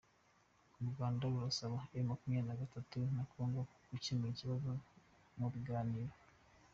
U Rwanda rurasaba M makumyabiri nagatatu na Congo gucyemura ikibazo mu biganiro